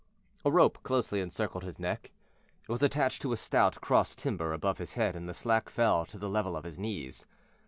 A rope closely encircled his neck. It was attached to a stout cross timber above his head and the slack fell to the level of his knees.